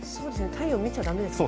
太陽見ちゃダメですね。